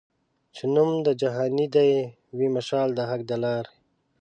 چي نوم د جهاني دي وي مشال د حق د لاري